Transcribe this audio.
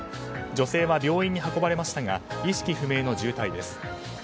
女性は病院に運ばれましたが意識不明の重体です。